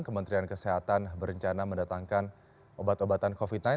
kementerian kesehatan berencana mendatangkan obat obatan covid sembilan belas